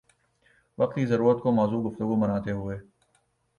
وقت کی ضرورت کو موضوع گفتگو بناتے ہوئے